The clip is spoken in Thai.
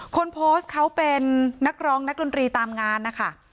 คนโพสต์เขาเป็นนักร้องนักดนตรีตามงานนะคะ